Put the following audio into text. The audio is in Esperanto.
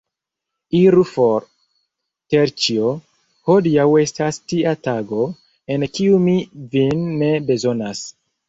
Iru for, Terĉjo, hodiaŭ estas tia tago, en kiu mi vin ne bezonas.